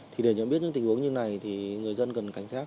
thì để nhận biết những tình huống như này thì người dân cần cảnh giác